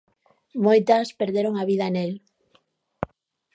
Moitas perderon a vida nel.